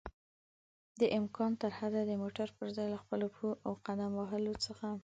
دامکان ترحده د موټر پر ځای له خپلو پښو او قدم وهلو څخه